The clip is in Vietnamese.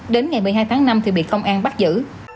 đến ngày một mươi hai tháng năm thì bị công an bắt giữ